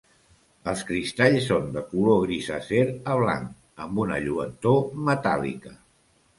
Els cristalls són de color gris acer a blanc amb una lluentor metàl·lica.